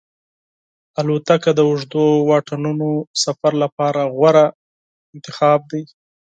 طیاره د اوږدو واټنونو سفر لپاره غوره انتخاب دی.